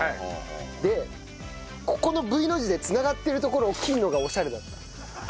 でここのＶの字で繋がってるところを切るのがオシャレだった。